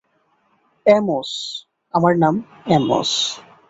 Amos, আমার নাম Amos.